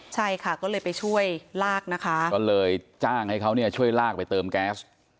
ใช่ค่ะก็เลยไปช่วยลากนะคะก็เลยจ้างให้เขาเนี่ยช่วยลากไปเติมแก๊ส